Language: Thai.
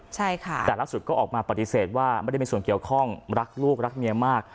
ใช่ค่ะแต่ล่าสุดก็ออกมาปฏิเสธว่าไม่ได้มีส่วนเกี่ยวข้องรักลูกรักเมียมาก